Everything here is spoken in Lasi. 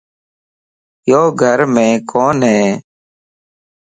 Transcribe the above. يو گھر مَ ڪوني